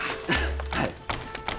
はい。